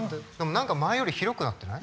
何か前より広くなってない？